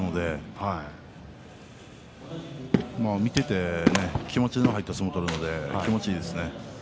見ていて気持ちの入った相撲を取るので気持ちいいですね。